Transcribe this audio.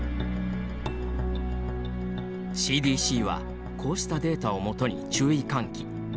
ＣＤＣはこうしたデータをもとに注意喚起。